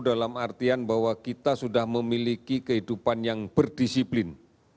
dalam artian bahwa kita sudah memiliki kehidupan yang berdisiplin